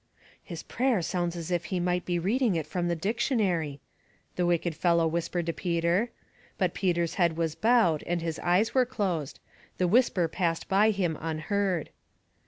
" His prayer sounds as if he might be reading it from the dictionary," the wicked fellow whis pered to Peter ; but Peter's head was bowed and his eyes were closed, the whisper passed by him unheard.